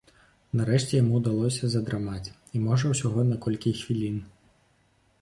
Нарэшце яму ўдалося задрамаць, і, можа, усяго на колькі хвілін.